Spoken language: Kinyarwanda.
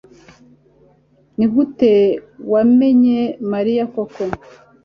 nigute wamenye mariya koko